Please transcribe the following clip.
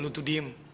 lu tuh diem